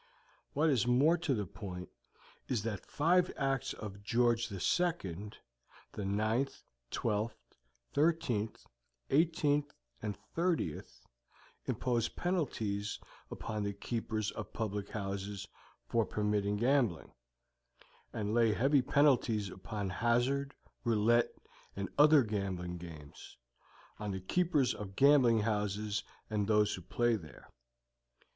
What is more to the point is that five Acts of George II, the 9th, 12th, 13th, 18th, and 30th, impose penalties upon the keepers of public houses for permitting gambling, and lay heavy penalties upon hazard, roulette, and other gambling games, on the keepers of gambling houses and those who play there.